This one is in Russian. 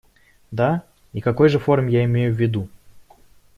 Да, и какой же форум я имею в виду?